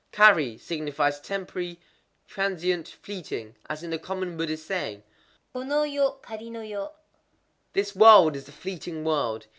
Kari signifies temporary, transient, fleeting,—as in the common Buddhist saying, Kono yo kari no yo: "This world is a fleeting world."